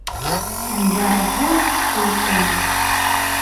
Ә бараһым килгәйне.